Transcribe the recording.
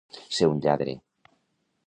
Ser un lladre.